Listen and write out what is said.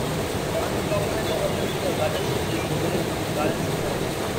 The unincorporated community of Garden City is located within Garden City Township.